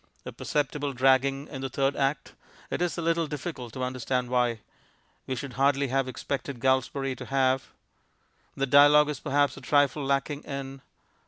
A perceptible dragging in the Third Act.... It is a little difficult to understand why.... We should hardly have expected Galsbarrie to have... The dialogue is perhaps a trifle lacking in...